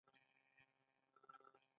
ډېره زړه کوټه هم په زر افغانۍ نه موندل کېده.